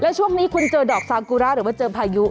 แล้วช่วงนี้คุณเจอดอกซากุระหรือว่าเจอพายุ